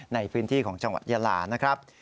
ในพื้นที่ของจังหวัดยาลานะครับ